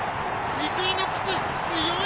イクイノックス強い。